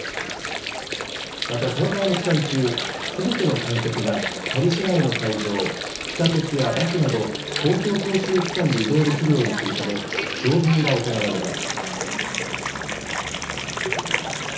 また、大会の期間中、すべての観客がパリ市内の会場を地下鉄やバスなど、公共交通機関で移動できるようにするため、増便が行われます。